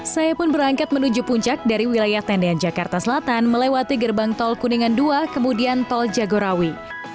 saya pun berangkat menuju puncak dari wilayah tendean jakarta selatan melewati gerbang tol kuningan dua kemudian tol jagorawi